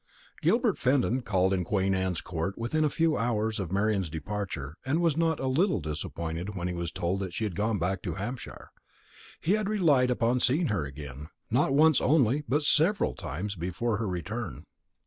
Gilbert Fenton called in Queen Anne's Court within a few hours of Marian's departure, and was not a little disappointed when he was told that she had gone back to Hampshire. He had relied upon seeing her again not once only, but several times before her return.